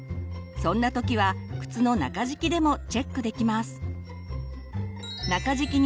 そんな時は靴の中敷きでもチェックできます！